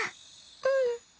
うん。